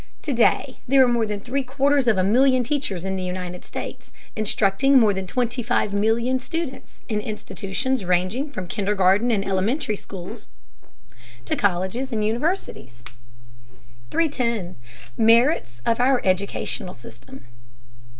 Today there are more than three quarters of a million teachers in the United States, instructing more than 25,000,000 students in institutions ranging from kindergarten and elementary schools to colleges and universities. 310. MERITS OF OUR EDUCATIONAL SYSTEM.